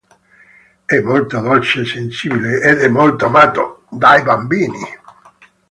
È molto dolce e sensibile, ed è molto amato dai bambini.